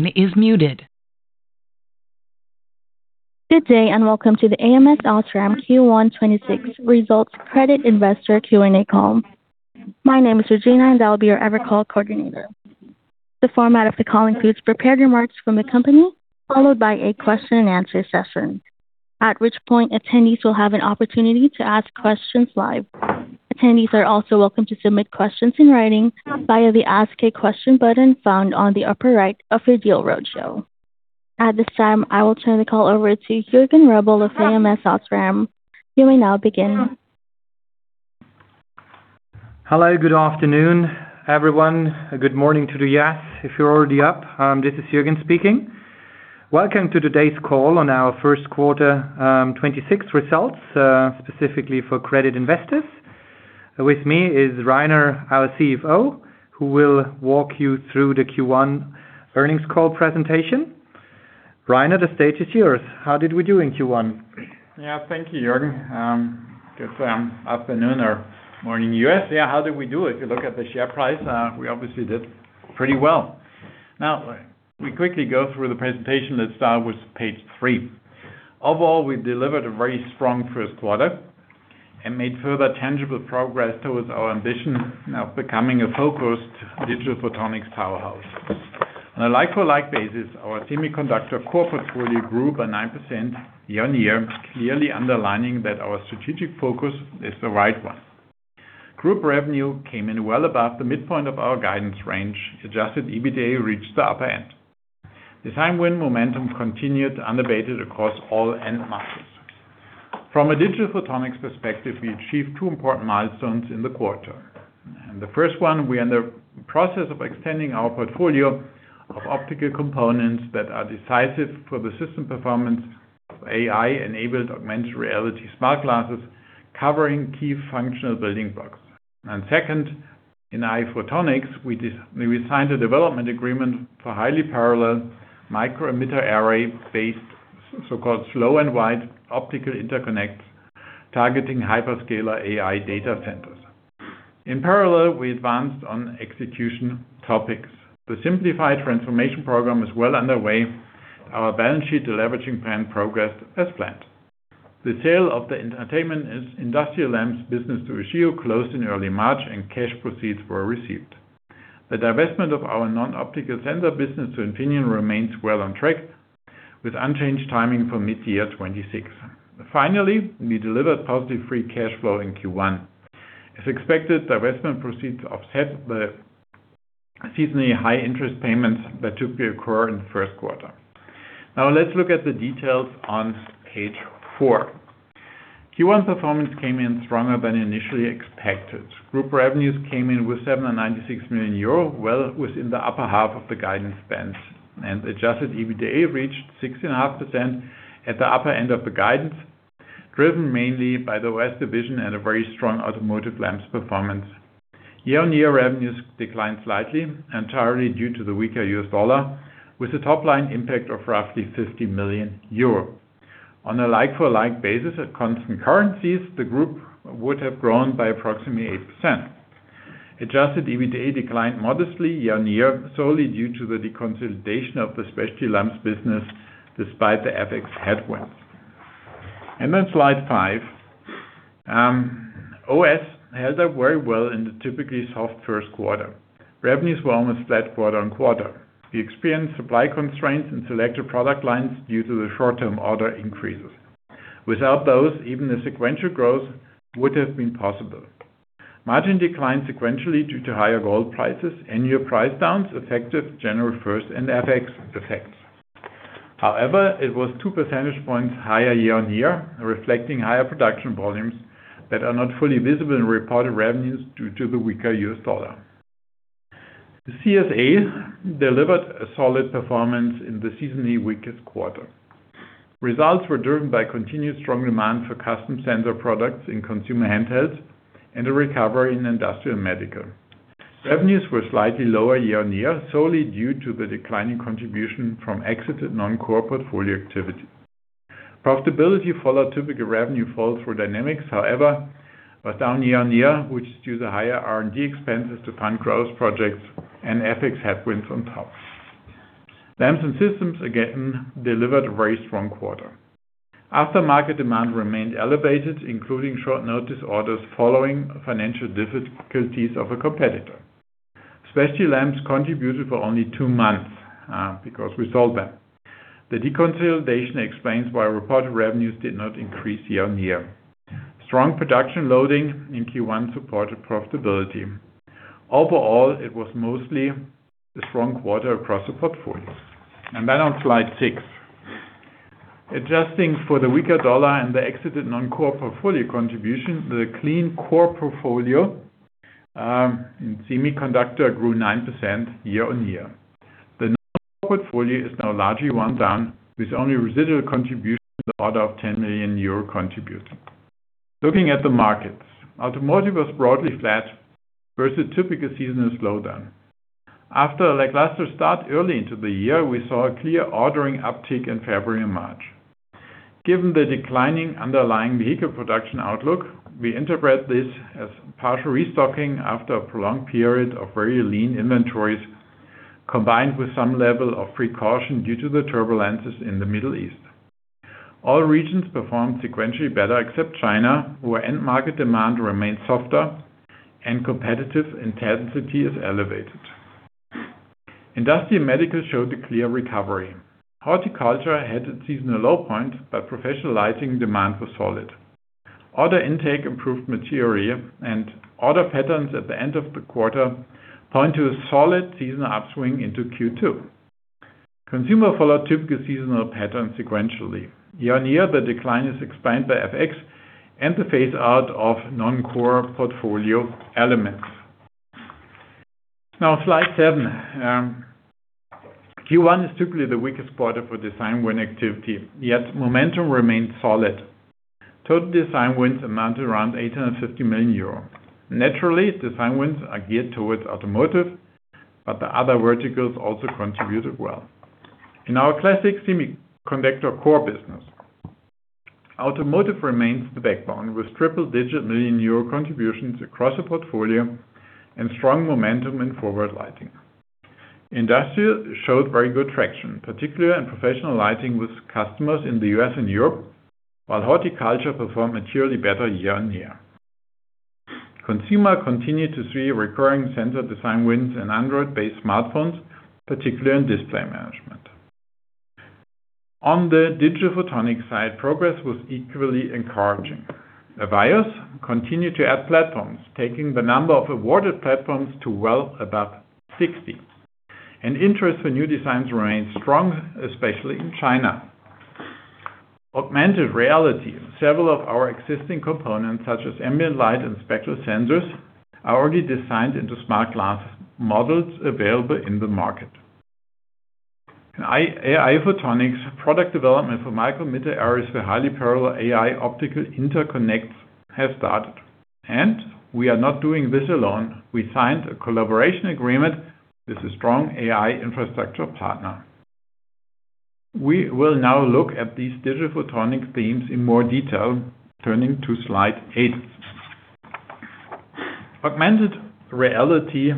Good day, and welcome to the ams OSRAM Q1 2026 results credit investor Q&A call. My name is Regina, and I'll be your Evercall coordinator. The format of the calling includes prepared remarks from the company, followed by a question and answer session, at which point attendees will have an opportunity to ask questions live. Attendees are also welcome to submit questions in writing via the Ask a Question button found on the upper right of your Deal Roadshow. At this time, I will turn the call over to Juergen Rebel with ams OSRAM. You may now begin. Hello. Good afternoon, everyone. Good morning to the U.S. if you're already up. This is Juergen speaking. Welcome to today's call on our Q1 2026 results, specifically for credit investors. With me is Rainer, our CFO, who will walk you through the Q1 earnings call presentation. Rainer, the stage is yours. How did we do in Q1? Yeah. Thank you, Juergen. Good afternoon or morning, U.S. How did we do? If you look at the share price, we obviously did pretty well. We quickly go through the presentation. Let's start with page 3. Overall, we delivered a very strong Q1 and made further tangible progress towards our ambition of becoming a focused Digital Photonics powerhouse. On a like-for-like basis, our semiconductor core portfolio grew by 9% year-on-year, clearly underlining that our strategic focus is the right one. Group revenue came in well above the midpoint of our guidance range. Adjusted EBITDA reached the upper end. The time when momentum continued unabated across all end markets. From a Digital Photonics perspective, we achieved two important milestones in the quarter. The first one, we are in the process of extending our portfolio of optical components that are decisive for the system performance of AI-enabled augmented reality smart glasses, covering key functional building blocks. Second, in AI photonics, we signed a development agreement for highly parallel micro-emitter array-based, so-called slow and wide optical interconnects, targeting hyperscaler AI data centers. In parallel, we advanced on execution topics. The Simplify transformation program is well underway. Our balance sheet deleveraging plan progressed as planned. The sale of the entertainment and industrial lamps business to Ushio closed in early March and cash proceeds were received. The divestment of our non-optical sensor business to Infineon remains well on track, with unchanged timing for mid-year 2026. Finally, we delivered positive free cash flow in Q1. As expected, the investment proceeds offset the seasonally high interest payments that typically occur in the Q1. Let's look at the details on page 4. Q1 performance came in stronger than initially expected. Group revenues came in with 796 million euro, well within the upper half of the guidance spend. Adjusted EBITDA reached 6.5% at the upper end of the guidance, driven mainly by the OS division and a very strong automotive lamps performance. Year-on-year revenues declined slightly entirely due to the weaker U.S. dollar, with a top line impact of roughly 50 million euro. On a like-for-like basis at constant currencies, the group would have grown by approximately 8%. Adjusted EBITDA declined modestly year-on-year, solely due to the deconsolidation of the Specialty Lamps business despite the FX headwinds. Slide 5. OS held up very well in the typically soft Q1. Revenues were almost flat quarter-on-quarter. We experienced supply constraints in selected product lines due to the short-term order increases. Without those, even the sequential growth would have been possible. Margin declined sequentially due to higher raw prices, annual price downs affected general first and FX effects. It was 2 percentage points higher year-on-year, reflecting higher production volumes that are not fully visible in reported revenues due to the weaker U.S. dollar. The CSA delivered a solid performance in the seasonally weakest quarter. Results were driven by continued strong demand for custom sensor products in consumer handhelds and a recovery in industrial and medical. Revenues were slightly lower year-on-year, solely due to the declining contribution from exited non-core portfolio activity. Profitability followed typical revenue fall-through dynamics, however, was down year-on-year, which is due to higher R&D expenses to fund growth projects and FX headwinds on top. Lamps and systems, again, delivered a very strong quarter. Aftermarket demand remained elevated, including short notice orders following financial difficulties of a competitor. specialty lamps contributed for only two months, because we sold them. The deconsolidation explains why reported revenues did not increase year-over-year. Strong production loading in Q1 supported profitability. Overall, it was mostly a strong quarter across the portfolio. On slide 6. Adjusting for the weaker U.S. dollar and the exited non-core portfolio contribution, the clean core portfolio, in semiconductor grew 9% year-over-year. The non-core portfolio is now largely one down, with only residual contribution of the order of 10 million euro contribute. Looking at the markets, automotive was broadly flat versus typical seasonal slowdown. After a lackluster start early into the year, we saw a clear ordering uptick in February and March. Given the declining underlying vehicle production outlook, we interpret this as partial restocking after a prolonged period of very lean inventories, combined with some level of precaution due to the turbulences in the Middle East. All regions performed sequentially better except China, where end market demand remains softer and competitive intensity is elevated. Industrial and medical showed a clear recovery. Horticulture had its seasonal low point, but professional lighting demand was solid. Order intake improved materially, and order patterns at the end of the quarter point to a solid seasonal upswing into Q2. Consumer followed typical seasonal patterns sequentially. Year-on-year, the decline is explained by FX and the phase out of non-core portfolio elements. Slide 7. Q1 is typically the weakest quarter for design win activity, yet momentum remains solid. Total design wins amount to around 850 million euro. Design wins are geared towards automotive, but the other verticals also contributed well. In our classic semiconductor core business, automotive remains the backbone, with triple-digit million euro contributions across the portfolio and strong momentum in forward lighting. Industrial showed very good traction, particularly in professional lighting with customers in the U.S. and Europe, while horticulture performed materially better year-on-year. Consumer continued to see recurring sensor design wins in Android-based smartphones, particularly in display management. On the Digital Photonics side, progress was equally encouraging. EVIYOS continued to add platforms, taking the number of awarded platforms to well above 60. Interest for new designs remains strong, especially in China. Augmented reality. Several of our existing components, such as ambient light and spectral sensors, are already designed into smart glass models available in the market. In AI Photonics, product development for micro emitter arrays for highly parallel AI optical interconnects have started. We are not doing this alone. We signed a collaboration agreement with a strong AI infrastructure partner. We will now look at these Digital Photonics themes in more detail, turning to slide 8. Augmented reality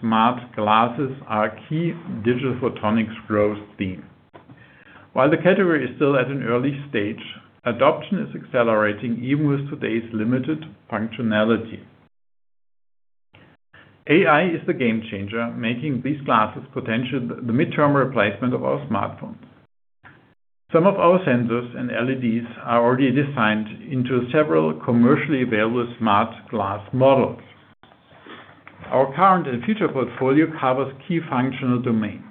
smart glasses are a key Digital Photonics growth theme. While the category is still at an early stage, adoption is accelerating even with today's limited functionality. AI is the game changer, making these glasses potential the midterm replacement of our smartphones. Some of our sensors and LEDs are already designed into several commercially available smart glass models. Our current and future portfolio covers key functional domains,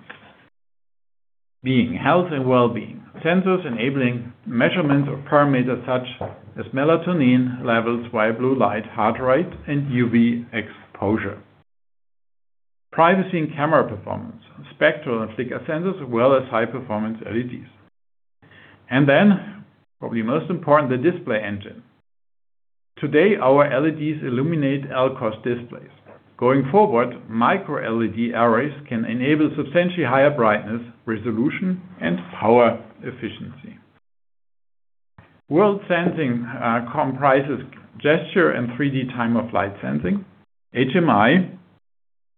being health and wellbeing, sensors enabling measurement of parameters such as melatonin levels via blue light, heart rate, and UV exposure. Privacy and camera performance, spectral and flicker sensors, as well as high performance LEDs. Probably most important, the display engine. Today, our LEDs illuminate LCOS displays. Going forward, microLED arrays can enable substantially higher brightness, resolution, and power efficiency. World sensing comprises gesture and 3D time-of-flight sensing. HMI.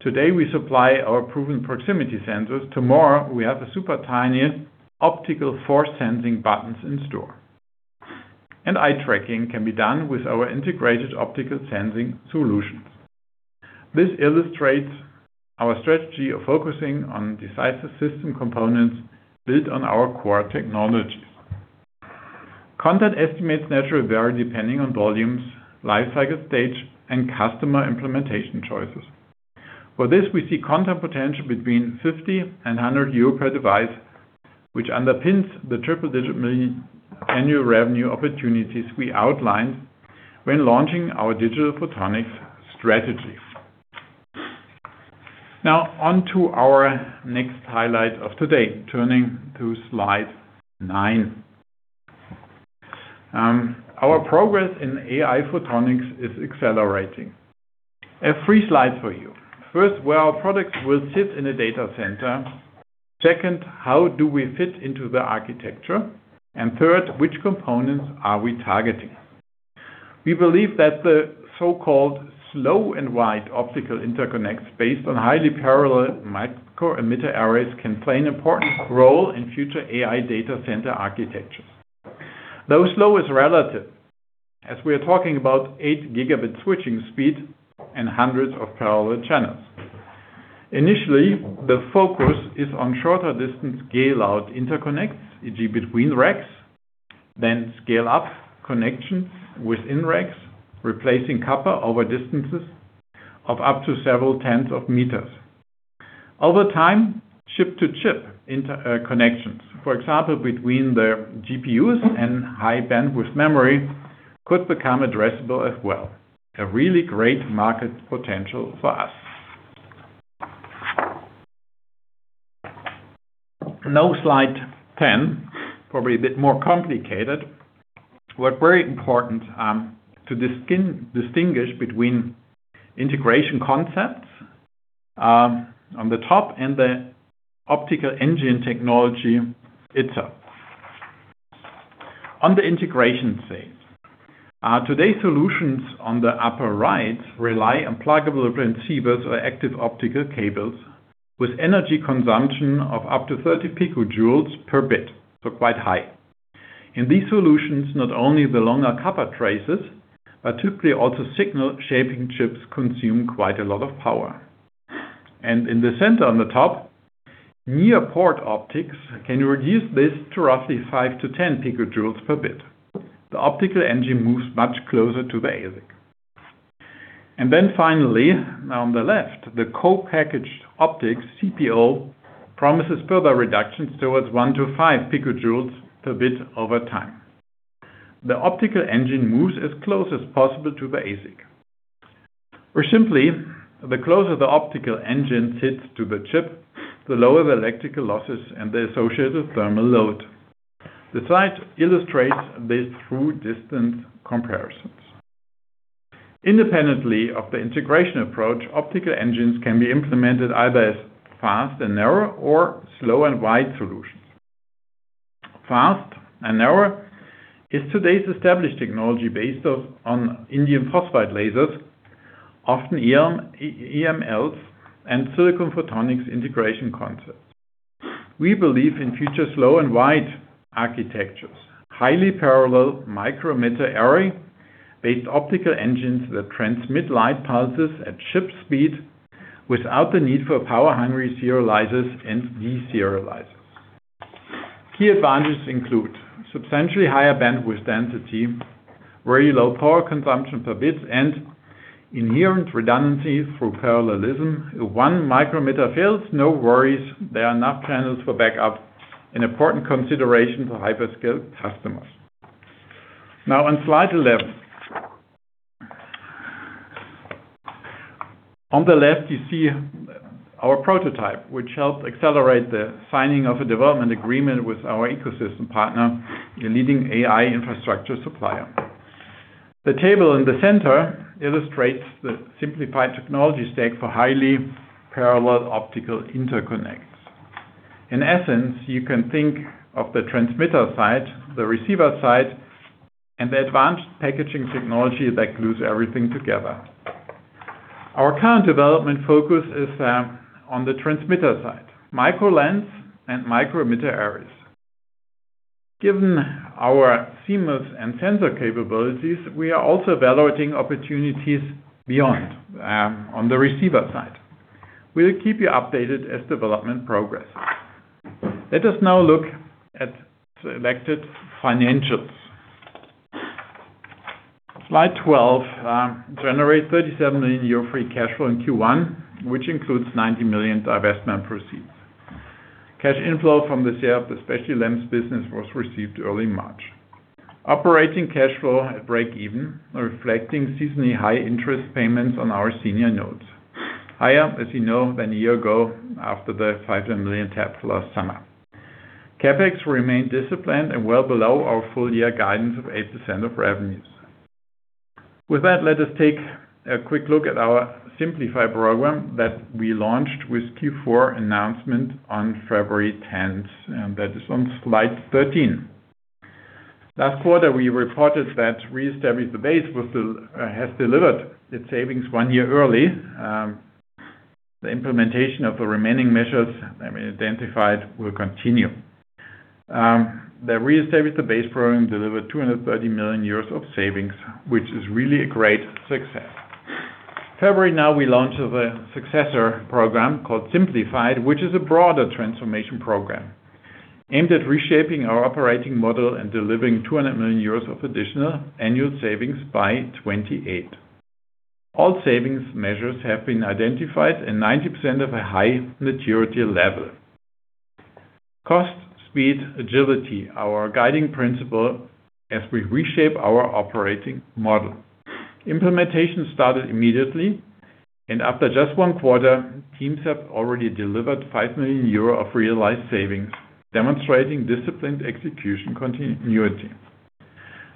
Today, we supply our proven proximity sensors. Tomorrow, we have the super tiniest optical force sensing buttons in store. Eye tracking can be done with our integrated optical sensing solutions. This illustrates our strategy of focusing on decisive system components built on our core technologies. Content estimates naturally vary depending on volumes, life cycle stage, and customer implementation choices. For this, we see content potential between 50 and 100 euro per device, which underpins the triple-digit million annual revenue opportunities we outlined when launching our Digital Photonics strategy. On to our next highlight of today, turning to slide 9. Our progress in AI photonics is accelerating. I have three slides for you. First, where our products will sit in a data center. Second, how do we fit into the architecture? Third, which components are we targeting? We believe that the so-called slow and wide optical interconnects based on highly parallel micro emitter arrays can play an important role in future AI data center architectures. Slow is relative, as we are talking about 8 Gb switching speed and hundreds of parallel channels. Initially, the focus is on shorter distance scale-out interconnects, e.g., between racks, then scale up connections within racks, replacing copper over distances of up to several tens of meters. Over time, chip-to-chip connections, for example, between the GPUs and High Bandwidth Memory could become addressable as well. A really great market potential for us. Slide 10, probably a bit more complicated, but very important to distinguish between integration concepts on the top and the optical engine technology itself. On the integration side, today's solutions on the upper right rely on pluggable transceivers or active optical cables with energy consumption of up to 30 picojoules per bit, so quite high. In these solutions, not only the longer copper traces, but typically also signal shaping chips consume quite a lot of power. In the center on the top, near port optics can reduce this to roughly 5-10 picojoules per bit. The optical engine moves much closer to the ASIC. Finally, now on the left, the co-packaged optics, CPO, promises further reductions towards 1-5 picojoules per bit over time. The optical engine moves as close as possible to the ASIC. Simply, the closer the optical engine sits to the chip, the lower the electrical losses and the associated thermal load. The slide illustrates this through distance comparisons. Independently of the integration approach, optical engines can be implemented either as fast and narrow or slow and wide solutions. Fast and narrow is today's established technology based on indium phosphide lasers, often EMLs and silicon photonics integration concepts. We believe in future slow and wide architectures, highly parallel micro-emitter array-based optical engines that transmit light pulses at chip speed without the need for power-hungry serializers and de-serializers. Key advantages include substantially higher bandwidth density, very low power consumption per bit, and inherent redundancy through parallelism. If one micro-emitter fails, no worries, there are enough channels for backup, an important consideration for hyperscale customers. On slide 11. On the left, you see our prototype, which helped accelerate the signing of a development agreement with our ecosystem partner, a leading AI infrastructure supplier. The table in the center illustrates the simplified technology stack for highly parallel optical interconnects. In essence, you can think of the transmitter side, the receiver side, and the advanced packaging technology that glues everything together. Our current development focus is on the transmitter side, microlens and micro-emitter arrays. Given our CMOS and sensor capabilities, we are also evaluating opportunities beyond on the receiver side. We'll keep you updated as development progresses. Let us now look at selected financials. Slide 12, generate 37 million euro free cash flow in Q1, which includes 90 million divestment proceeds. Cash inflow from the sale of the specialty lamps business was received early March. Operating cash flow at break even, reflecting seasonally high interest payments on our senior notes. Higher, as you know, than a year ago after the 500 million tap last summer. CapEx remained disciplined and well below our full year guidance of 8% of revenues. With that, let us take a quick look at our Simplify program that we launched with Q4 announcement on February 10, and that is on slide 13. Last quarter, we reported that Re-establish the Base has delivered its savings one year early. The implementation of the remaining measures identified will continue. The Re-establish the Base program delivered 230 million euros of savings, which is really a great success. February now, we launched the successor program called Simplify, which is a broader transformation program aimed at reshaping our operating model and delivering 200 million euros of additional annual savings by 2028. All savings measures have been identified and 90% have a high maturity level. Cost, speed, agility, our guiding principle as we reshape our operating model. Implementation started immediately, after just one quarter, teams have already delivered 5 million euro of realized savings, demonstrating disciplined execution continuity.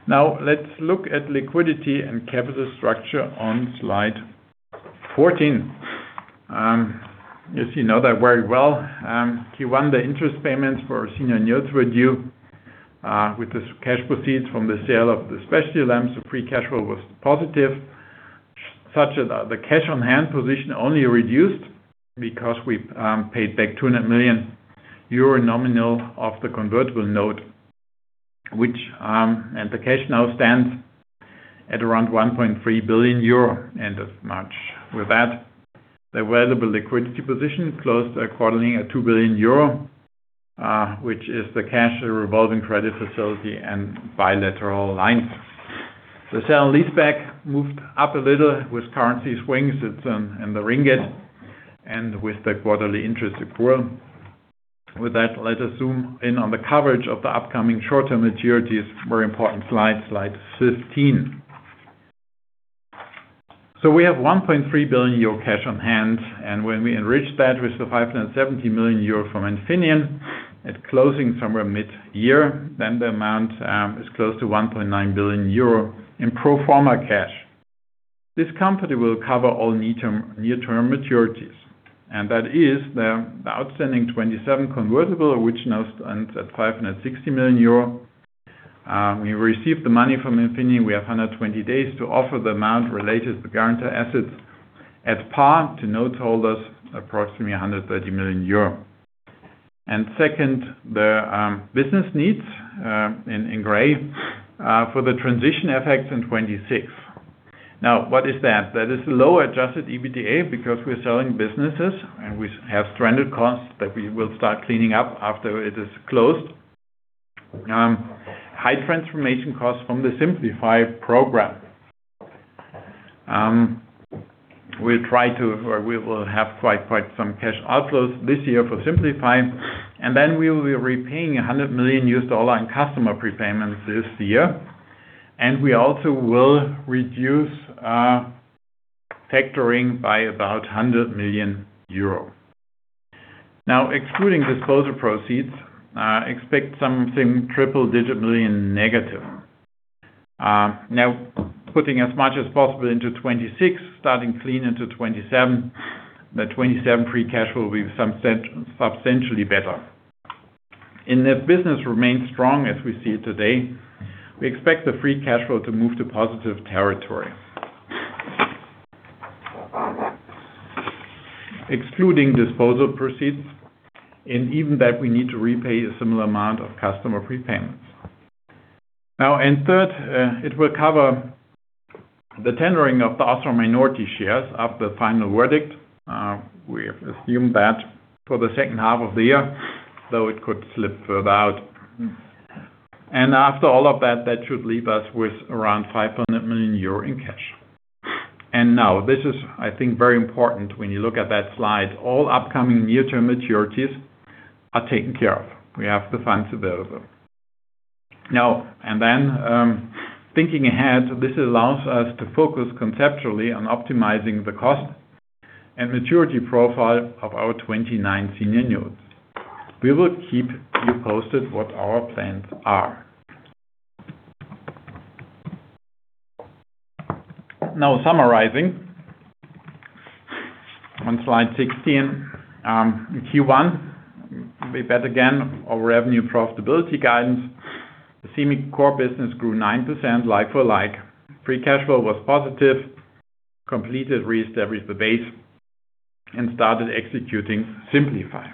Let's look at liquidity and capital structure on slide 14. As you know that very well, Q1, the interest payments for our senior notes were due, with the cash proceeds from the sale of the specialty lamps, so free cash flow was positive. Such as the cash on hand position only reduced because we paid back 200 million euro nominal of the convertible note, and the cash now stands at around 1.3 billion euro end of March. The available liquidity position closed accordingly at 2 billion euro, which is the cash revolving credit facility and bilateral lines. The sale and leaseback moved up a little with currency swings. It's in the MYR and with the quarterly interest accrual. Let us zoom in on the coverage of the upcoming short-term maturities. Very important slide 15. We have 1.3 billion euro cash on hand, and when we enrich that with the 5.70 million euro from Infineon at closing somewhere mid-year, then the amount is close to 1.9 billion euro in pro forma cash. This company will cover all near-term maturities, and that is the outstanding 27 convertible, which now stands at 5.60 million euro. We received the money from Infineon. We have 120 days to offer the amount related to the guarantor assets at par to note holders, approximately 130 million euro. Second, the business needs in gray for the transition effects in 2026. What is that? That is low adjusted EBITDA because we're selling businesses, and we have stranded costs that we will start cleaning up after it is closed. High transformation costs from the Simplify program. We will have quite some cash outflows this year for Simplify. We will be repaying $100 million in customer prepayments this year. We also will reduce factoring by about 100 million euro. Excluding disposal proceeds, expect something triple-digit million negative. Putting as much as possible into 2026, starting clean into 2027, the 2027 free cash flow will be substantially better. If business remains strong as we see it today, we expect the free cash flow to move to positive territory. Excluding disposal proceeds, and even that we need to repay a similar amount of customer prepayments. Third, it will cover the tendering of the Osram minority shares of the final verdict. We assume that for the H2 of the year, it could slip further out. After all of that should leave us with around 500 million euro in cash. Now, this is, I think, very important when you look at that slide. All upcoming near-term maturities are taken care of. We have the funds available. Thinking ahead, this allows us to focus conceptually on optimizing the cost and maturity profile of our 2029 senior notes. We will keep you posted what our plans are. Now summarizing, on slide 16, in Q1, we beat again our revenue profitability guidance. The semi core business grew 9% like for like. Free cash flow was positive. Completed Re-establish the Base and started executing Simplify.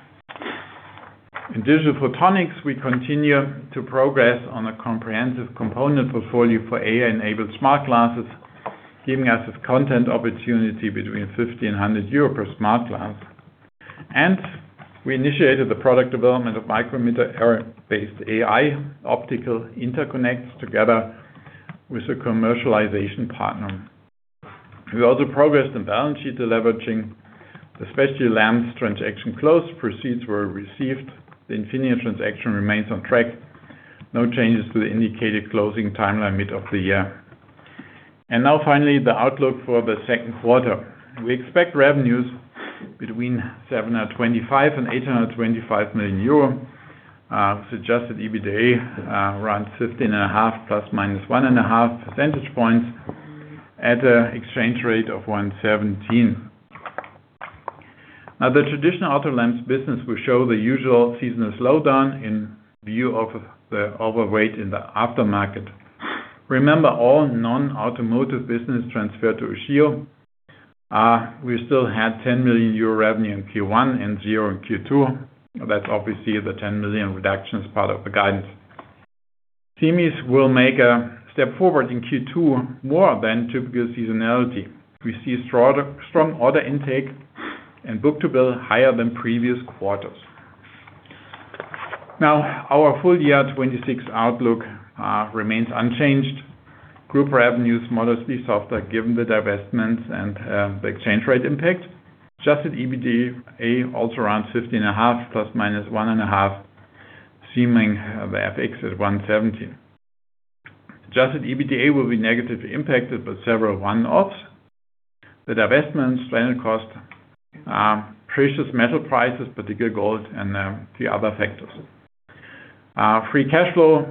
In Digital Photonics, we continue to progress on a comprehensive component portfolio for AI-enabled smart glasses, giving us a content opportunity between 50 and 100 euro per smart glass. We initiated the product development of micro-emitter array-based AI optical interconnects together with a commercialization partner. We also progressed in balance sheet deleveraging, especially specialty lamps transaction closed, proceeds were received. The Infineon transaction remains on track. No changes to the indicated closing timeline mid of the year. Now finally, the outlook for the Q2. We expect revenues between 725 million and 825 million euro. Suggested EBITDA, around 15.5 ± 1.5 percentage points at an exchange rate of 1.17. Now the traditional auto lens business will show the usual seasonal slowdown in view of the overweight in the aftermarket. Remember, all non-automotive business transferred to Ushio. We still had 10 million euro revenue in Q1 and zero in Q2. That's obviously the 10 million reduction as part of the guidance. Semis will make a step forward in Q2 more than typical seasonality. We see strong order intake and book-to-bill higher than previous quarters. Now, our full year 2026 outlook remains unchanged. Group revenues modestly softer given the divestments and the exchange rate impact. Adjusted EBITDA also around 15.5% ± 1.5% seeming the FX at 1.17. Adjusted EBITDA will be negatively impacted by several one-offs. The divestments, stranded costs, precious metal prices, particular gold, and the other factors. Free cash flow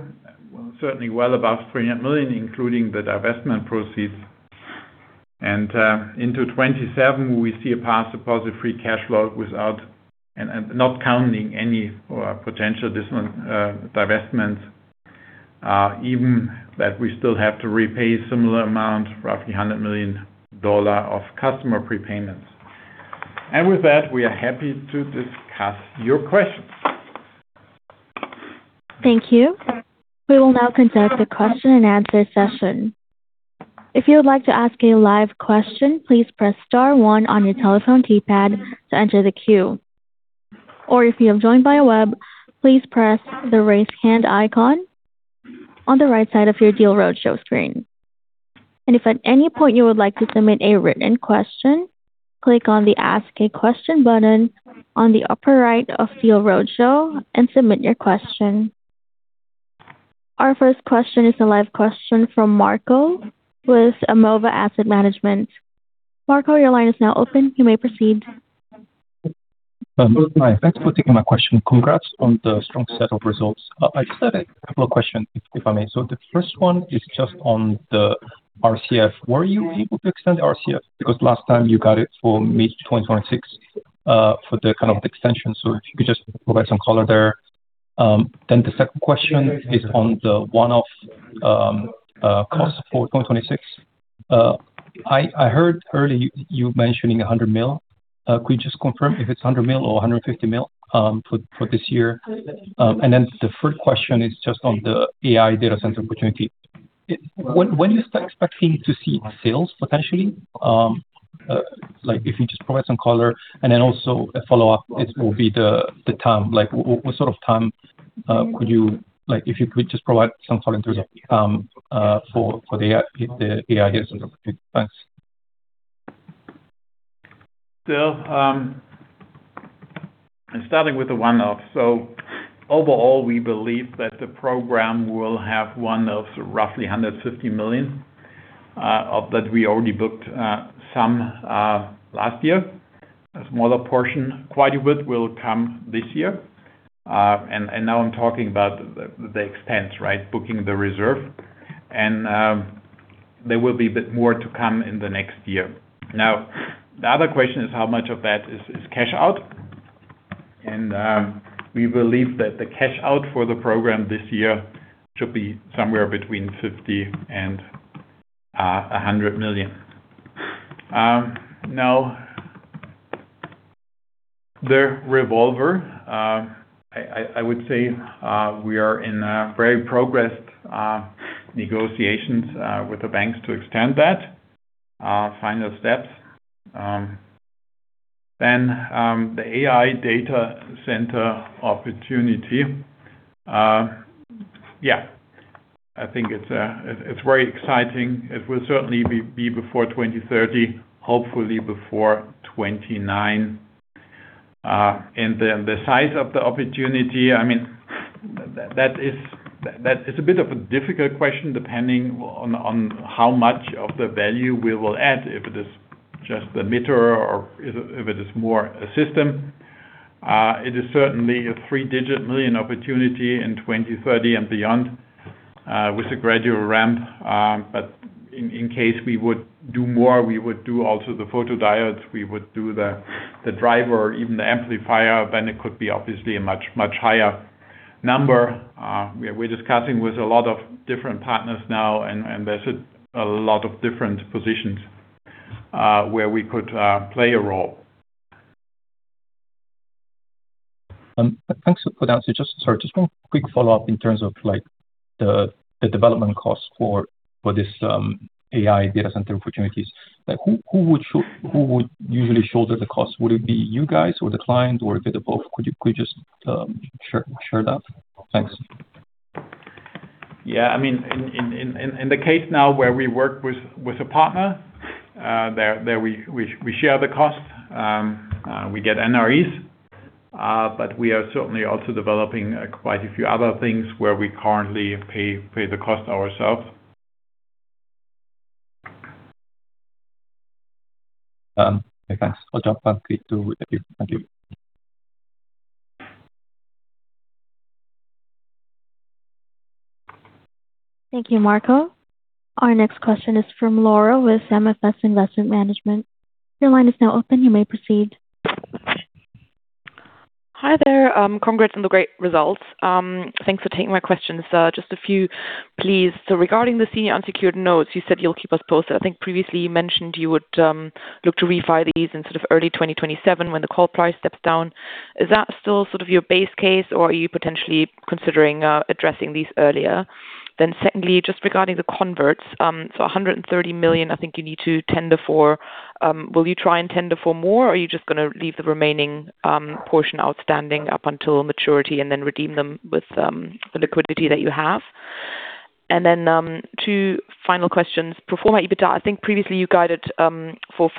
certainly well above 300 million, including the divestment proceeds. Into 2027, we see a path to positive free cash flow without and not counting any potential divestments. Even that we still have to repay similar amount, roughly EUR 100 million of customer prepayments. With that, we are happy to discuss your questions. Thank you. We will now conduct a question and answer session. If you would like to ask a live question, please press star one on your telephone keypad to enter the queue. If you have joined by a web, please press the Raise Hand icon on the right side of your Deal Roadshow screen. If at any point you would like to submit a written question, click on the Ask a Question button on the upper right of Deal Roadshow and submit your question. Our first question is a live question from Marco with Amova Asset Management. Marco, your line is now open. You may proceed. Hi. Thanks for taking my question. Congrats on the strong set of results. I just have a couple of questions, if I may. The first one is just on the RCF. Were you able to extend RCF? Last time you got it for mid 2026 for the kind of extension. If you could just provide some color there. The second question is on the one-off cost for 2026. I heard earlier you mentioning 100 million. Could you just confirm if it's 100 million or 150 million for this year? The third question is just on the AI data center opportunity. When are you expecting to see sales potentially? Like, if you could just provide some color. Also a follow-up, it will be the time. What sort of time? If you could just provide some color in terms of the AI data center opportunity. Thanks. Starting with the one-off. Overall, we believe that the program will have one-offs roughly 150 million, of that we already booked some last year. A smaller portion, quite a bit, will come this year. Now I'm talking about the expense, right? Booking the reserve. There will be a bit more to come in the next year. The other question is how much of that is cash out. We believe that the cash out for the program this year should be somewhere between 50 million and 100 million. Now the revolver, I would say, we are in very progressed negotiations with the banks to extend that, final steps. The AI data center opportunity. I think it's very exciting. It will certainly be before 2030, hopefully before 2029. The size of the opportunity, I mean, that is a bit of a difficult question depending on how much of the value we will add, if it is just the emitter or if it is more a system. It is certainly a three-digit million euro opportunity in 2030 and beyond, with a gradual ramp. In case we would do more, we would do also the photodiodes, we would do the driver or even the amplifier, then it could be obviously a much higher number. We are discussing with a lot of different partners now, and there is a lot of different positions where we could play a role. Thanks for the answer. Sorry, just one quick follow-up in terms of, like, the development cost for this AI data center opportunities. Like, who would usually shoulder the cost? Would it be you guys or the client or a bit of both? Could you just share that? Thanks. Yeah. I mean, in the case now where we work with a partner, there we share the cost. We get NREs, but we are certainly also developing quite a few other things where we currently pay the cost ourselves. Okay, thanks. I'll jump back to you. Thank you. Thank you, Marco. Our next question is from Laura with MFS Investment Management. Your line is now open. You may proceed. Hi there. Congrats on the great results. Thanks for taking my questions. Just a few, please. Regarding the Senior Unsecured Notes, you said you'll keep us posted. I think previously you mentioned you would look to refi these in sort of early 2027 when the call price steps down. Is that still sort of your base case, or are you potentially considering addressing these earlier? Secondly, just regarding the converts, 130 million, I think you need to tender for. Will you try and tender for more, or are you just gonna leave the remaining portion outstanding up until maturity and then redeem them with the liquidity that you have? Two final questions. Pro forma EBITDA, I think previously you guided for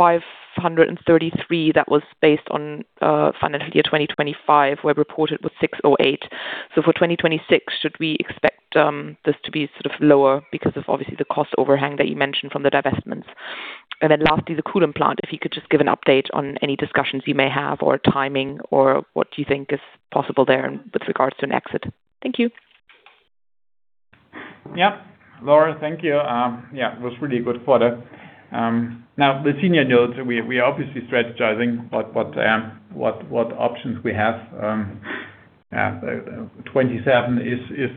533. That was based on financial year 2025, where reported was 608. For 2026, should we expect this to be sort of lower because of obviously the cost overhang that you mentioned from the divestments? Lastly, the Kulim plant, if you could just give an update on any discussions you may have or timing or what you think is possible there with regards to an exit. Thank you. Laura, thank you. It was really good quarter. Now the Senior Notes, we are obviously strategizing what options we have. 27 is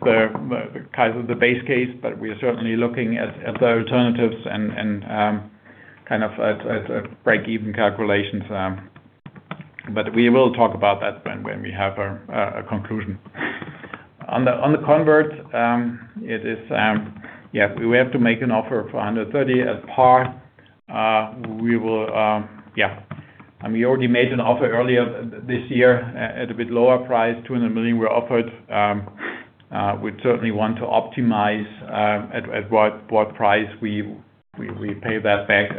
kind of the base case, but we are certainly looking at break-even calculations. We will talk about that when we have a conclusion. On the convert, it is, we have to make an offer for 130 at par. We will. We already made an offer earlier this year at a bit lower price, 200 million were offered. We certainly want to optimize at what price we pay that back.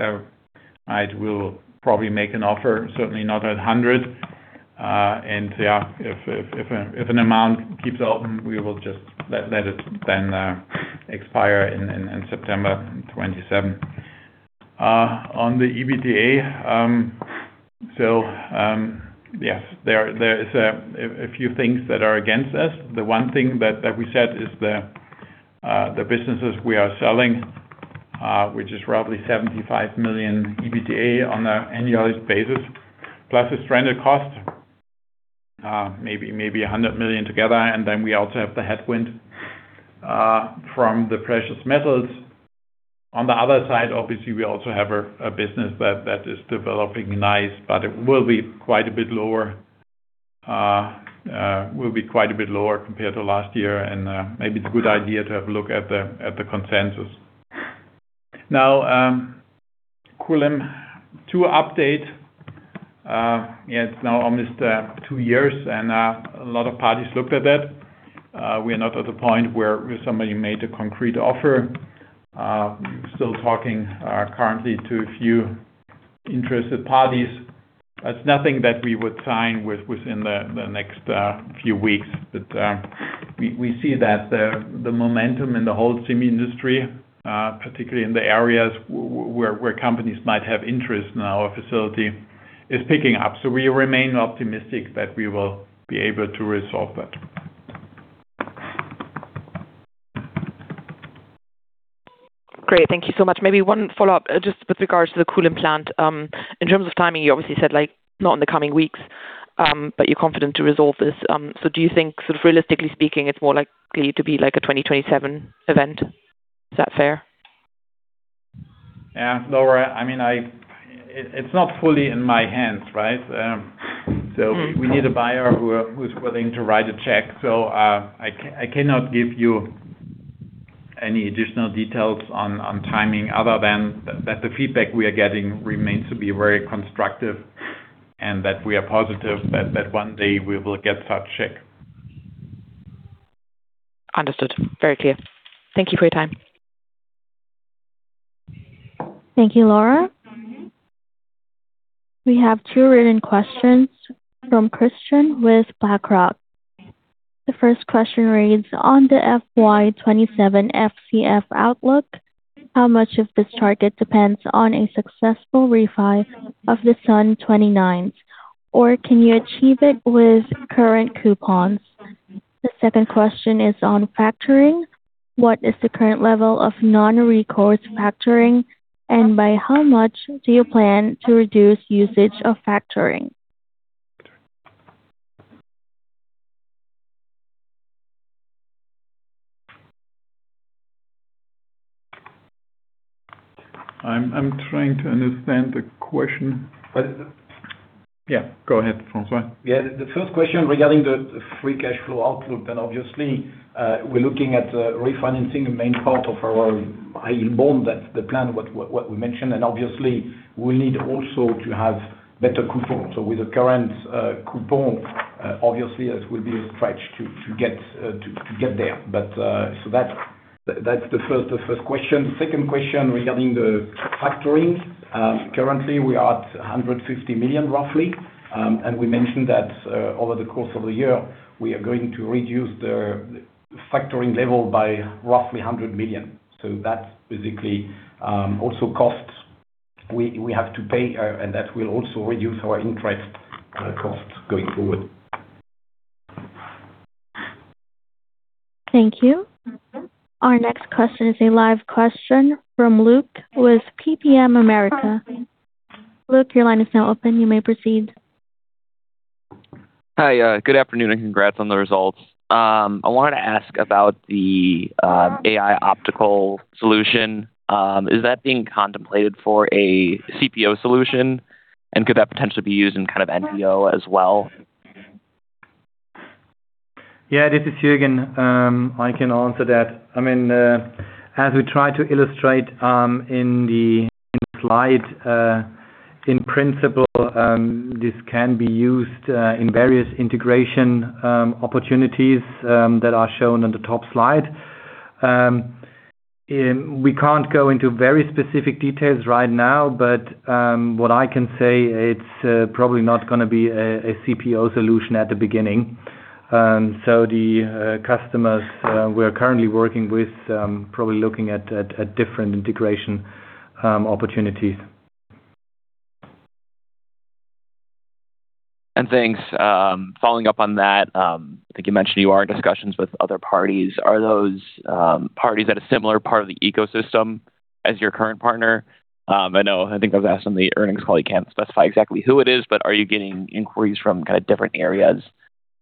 I will probably make an offer, certainly not at 100. Yeah, if an amount keeps open, we will just let it then expire in September 2027. On the EBITDA, yes, there is a few things that are against us. The one thing that we said is the businesses we are selling, which is roughly 75 million EBITDA on an annualized basis, plus a stranded cost, maybe 100 million together. Then we also have the headwind from the precious metals. On the other side, obviously, we also have a business that is developing nice, but it will be quite a bit lower, will be quite a bit lower compared to last year. Maybe it's a good idea to have a look at the consensus. Now, Kulim II update, yeah, it's now almost two years and a lot of parties looked at it. We are not at the point where somebody made a concrete offer. Still talking currently to a few interested parties. It's nothing that we would sign within the next few weeks. We see that the momentum in the whole SiC industry, particularly in the areas where companies might have interest in our facility, is picking up. We remain optimistic that we will be able to resolve that. Great. Thank you so much. Maybe one follow-up, just with regards to the Kulim plant. In terms of timing, you obviously said, like, not in the coming weeks, but you're confident to resolve this. Do you think, realistically speaking, it's more likely to be like a 2027 event? Is that fair? Yeah. Laura, I mean, it's not fully in my hands, right? We need a buyer who's willing to write a check. I cannot give you any additional details on timing other than that the feedback we are getting remains to be very constructive and that we are positive that one day we will get that check. Understood. Very clear. Thank you for your time. Thank you, Laura. We have two written questions from Christian with BlackRock. The first question reads, On the FY 2027 FCF outlook, how much of this target depends on a successful refi of the Senior Unsecured Notes due 2029, or can you achieve it with current coupons? The second question is on factoring. What is the current level of non-recourse factoring, and by how much do you plan to reduce usage of factoring? I'm trying to understand the question. But- Yeah, go ahead, François. Yeah. The first question regarding the free cash flow outlook, obviously, we're looking at refinancing a main part of our high yield bond. That's the plan, what we mentioned. Obviously we need also to have better coupons. With the current coupon, obviously it will be a stretch to get to get there. That's the first question. Second question regarding the factoring. Currently we are at 150 million, roughly. We mentioned that over the course of the year, we are going to reduce the factoring level by roughly 100 million. That's basically also costs we have to pay, and that will also reduce our interest costs going forward. Thank you. Our next question is a live question from Luke with PPM America. Luke, your line is now open. You may proceed. Hi, good afternoon, and congrats on the results. I wanted to ask about the AI optical solution. Is that being contemplated for a CPO solution, and could that potentially be used in kind of NPO as well? This is Juergen. I can answer that. I mean, as we try to illustrate in the slide, in principle, this can be used in various integration opportunities that are shown on the top slide. We can't go into very specific details right now, but what I can say, it's probably not gonna be a CPO solution at the beginning. The customers we are currently working with probably looking at different integration opportunities. Thanks. Following up on that, I think you mentioned you are in discussions with other parties. Are those parties at a similar part of the ecosystem as your current partner? I think I've asked on the earnings call, you can't specify exactly who it is, but are you getting inquiries from kind of different areas?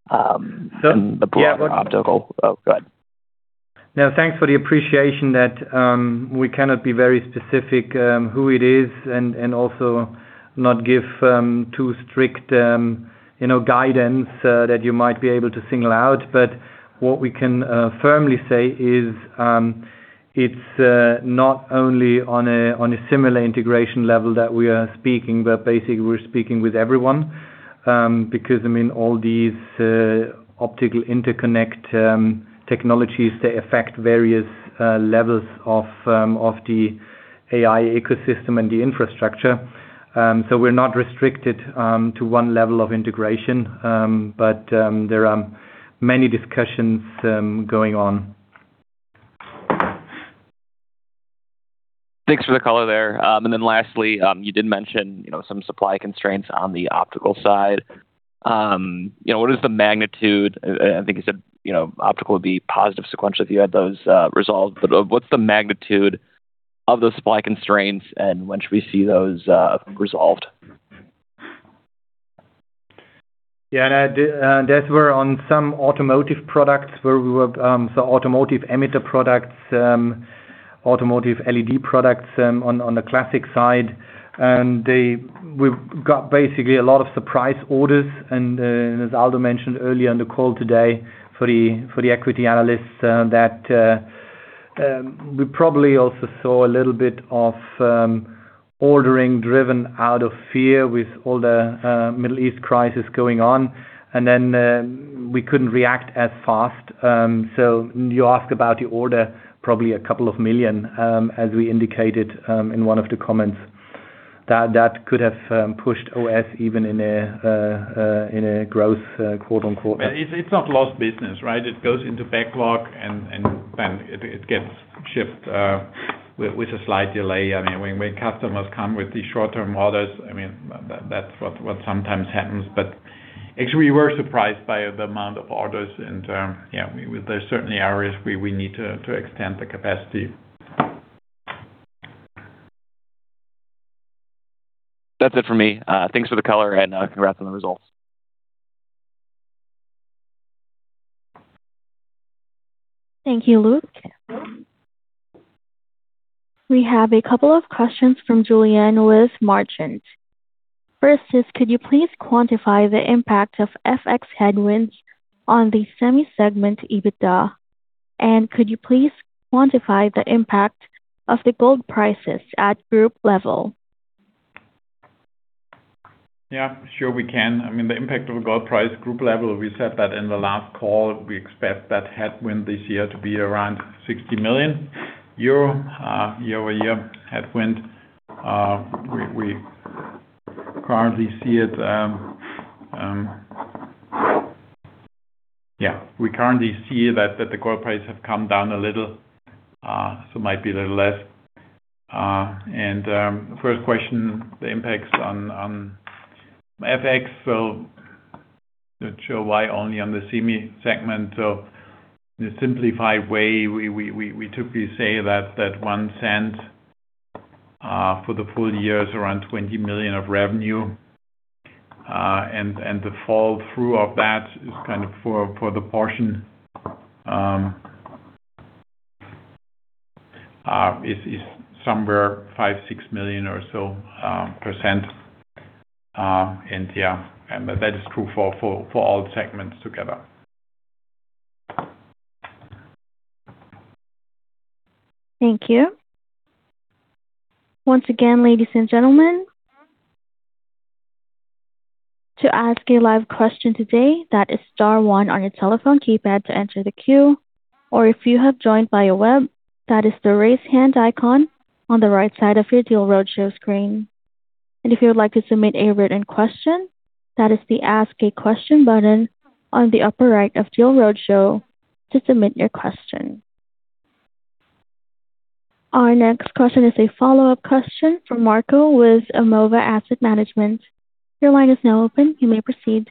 Yeah Oh, go ahead. Thanks for the appreciation that, we cannot be very specific, who it is and also not give, too strict, you know, guidance, that you might be able to single out. What we can firmly say is, it's not only on a similar integration level that we are speaking, but basically we're speaking with everyone. I mean, all these optical interconnect technologies, they affect various levels of the AI ecosystem and the infrastructure. We're not restricted to one level of integration. There are many discussions going on. Thanks for the color there. Lastly, you did mention, you know, some supply constraints on the optical side. You know, what is the magnitude? I think you said, you know, optical would be positive sequential if you had those resolved. What's the magnitude of those supply constraints, and when should we see those resolved? Yeah. That were on some automotive products where we were, so automotive emitter products, automotive LED products, on the classic side. We've got basically a lot of surprise orders. As Aldo mentioned earlier on the call today for the equity analysts, that we probably also saw a little bit of ordering driven out of fear with all the Middle East crisis going on. Then we couldn't react as fast. You ask about the order, probably a couple of million, as we indicated in one of the comments. That could have pushed OS even in a growth, quote, unquote. It's not lost business, right? It goes into backlog and then it gets shipped with a slight delay. I mean, when customers come with these short-term orders, I mean, that's what sometimes happens. Actually we were surprised by the amount of orders. There's certainly areas we need to extend the capacity. That's it for me. Thanks for the color and congrats on the results. Thank you, Luke. We have a couple of questions from [Julianne Liz Marchant]. First is, could you please quantify the impact of FX headwinds on the semi segment EBITDA? Could you please quantify the impact of the gold prices at group level? Yeah, sure we can. I mean, the impact of a gold price group level, we said that in the last call. We expect that headwind this year to be around 60 million euro year-over-year headwind. We currently see it. Yeah, we currently see that the gold prices have come down a little. Might be a little less. First question, the impacts on FX. Not sure why only on the semi segment. The simplified way we typically say that 0.01 for the full year is around 20 million of revenue. The fall through of that is kind of for the portion, is somewhere 5, 6 million or so %. Yeah. That is true for all segments together. Our next question is a follow-up question from Marco with Amova Asset Management. Your line is now open. You may proceed.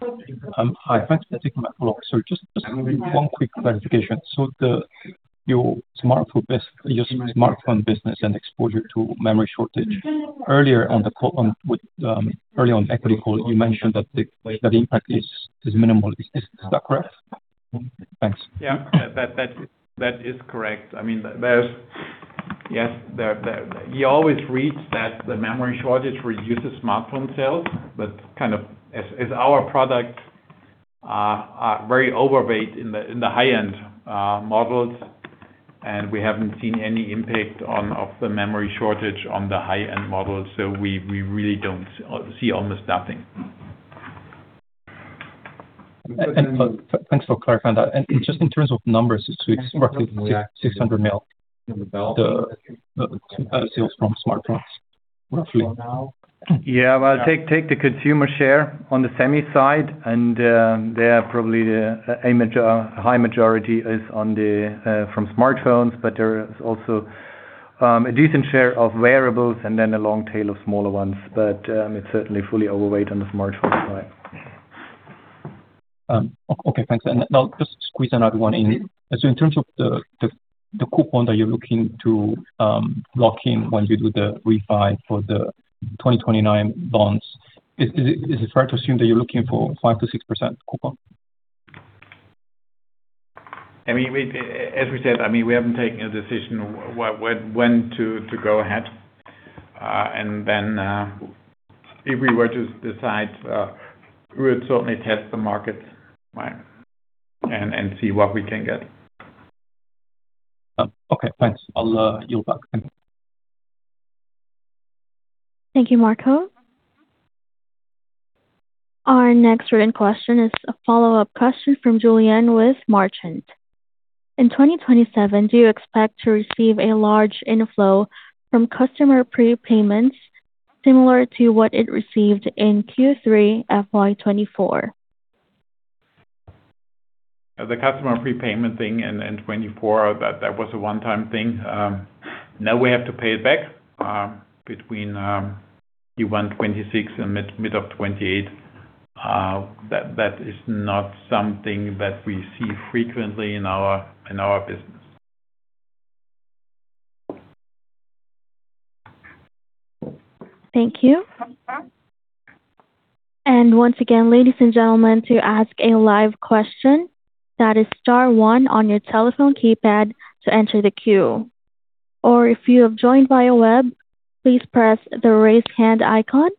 Hi. Thanks for taking my call. Just 1 quick clarification. Your smartphone business and exposure to memory shortage. Earlier on the call on with, early on equity call, you mentioned that the impact is minimal. Is that correct? Thanks. That is correct. I mean, Yes, there You always read that the memory shortage reduces smartphone sales, but as our product are very overweight in the high-end models, and we haven't seen any impact of the memory shortage on the high-end models. We really don't see almost nothing. Thanks for clarifying that. Just in terms of numbers, you expect 600 mil sales from smartphones roughly? Well, take the consumer share on the semi side, and they are probably a high majority from smartphones. There is also a decent share of wearables and then a long tail of smaller ones. It's certainly fully overweight on the smartphone side. Okay, thanks. I'll just squeeze another one in. In terms of the coupon that you're looking to lock in when you do the refi for the 2029 bonds. Is it fair to assume that you're looking for 5%-6% coupon? I mean, we, as we said, I mean, we haven't taken a decision when to go ahead. If we were to decide, we would certainly test the markets, right? See what we can get. Okay. Thanks. I'll yield back. Thank you. Thank you, Marco. Our next written question is a follow-up question from Julianne with Marchant. In 2027, do you expect to receive a large inflow from customer prepayments similar to what it received in Q3 FY 2024? The customer prepayment thing in 2024, that was a one-time thing. Now we have to pay it back between Q1 2026 and mid of 2028. That is not something that we see frequently in our business. Thank you. Once again, ladies and gentlemen, to ask a live question, that is star one on your telephone keypad to enter the queue. If you have joined via web, please press the Raise Hand icon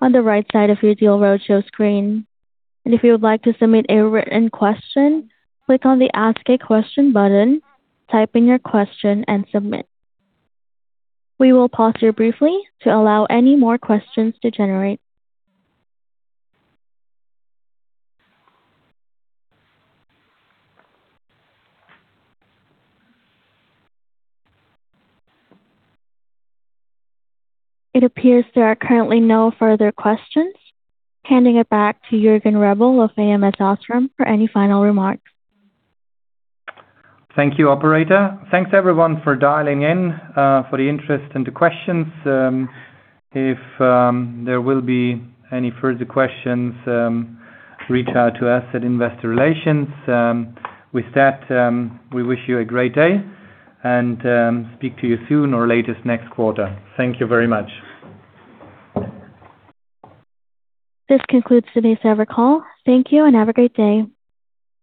on the right side of your Deal Roadshow screen. If you would like to submit a written question, click on the Ask a Question button, type in your question, and submit. We will pause here briefly to allow any more questions to generate. It appears there are currently no further questions. Handing it back to Juergen Rebel of ams OSRAM for any final remarks. Thank you, operator. Thanks, everyone, for dialing in, for the interest and the questions. If there will be any further questions, reach out to us at investor relations. With that, we wish you a great day and speak to you soon or latest next quarter. Thank you very much. This concludes the Evercall call. Thank you and have a great day.